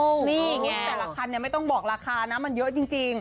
นี่แต่ละคันไม่ต้องบอกราคานะมันเยอะจริง